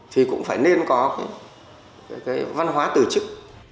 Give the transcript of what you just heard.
thì cũng phải nên có cái văn hóa từ chức